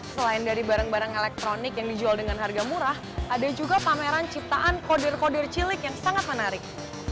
selain dari barang barang elektronik yang dijual dengan harga murah ada juga pameran ciptaan kodir kodir cilik yang sangat menarik